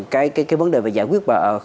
cái vấn đề về giải quyết